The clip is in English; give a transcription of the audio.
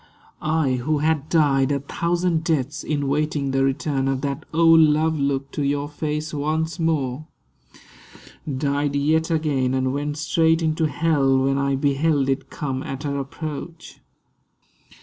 I who had died A thousand deaths, in waiting the return Of that old love look to your face once more, Died yet again and went straight into hell When I beheld it come at her approach.